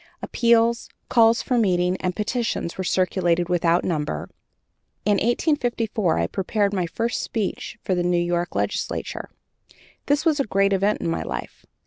Appeals, calls for meetings, and petitions were circulated without number. In 1854 I prepared my first speech for the New York legislature. That was a great event in my life.